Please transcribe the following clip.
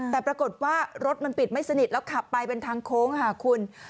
แต่ปรากฏว่ารถมันปิดไม่สนิทแล้วขับไปเป็นทางโค้งค่ะคุณ